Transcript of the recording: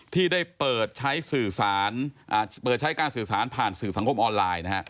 ที่ได้เปิดใช้การสื่อสารผ่านสื่อสังคมออนไลน์